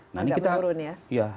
agak menurun ya